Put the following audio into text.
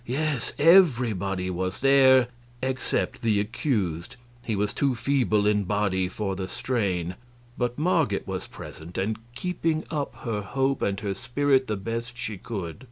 Yes, everybody was there except the accused. He was too feeble in body for the strain. But Marget was present, and keeping up her hope and her spirit the best she could.